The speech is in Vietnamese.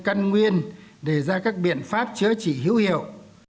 căn nguyên để ra các biện pháp chứa chỉ hữu hiệu